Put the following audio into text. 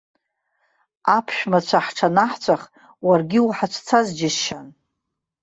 Аԥшәмацәа ҳҽанаҳҵәах, уаргьы уҳацәцаз џьысшьан.